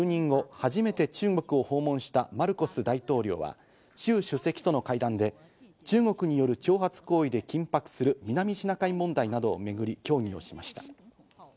初めて中国を訪問したマルコス大統領はシュウ主席との会談で、中国による挑発行為で緊迫する南シナ海問題などをめぐり協議をしました。